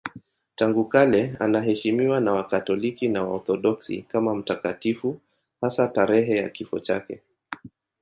Tangu kale anaheshimiwa na Wakatoliki na Waorthodoksi kama mtakatifu, hasa tarehe ya kifo chake.